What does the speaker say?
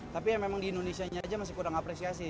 tapi yang memang di indonesia aja masih kurang apresiasi